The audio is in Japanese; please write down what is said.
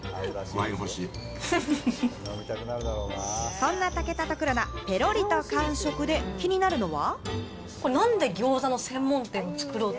そんな武田と黒田、ペロリと完食で、気になるのは。